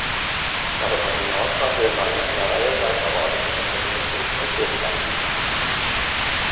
Darüber hinaus war Vilmar in einer Reihe weiterer Organisationen Mitglied und führend aktiv.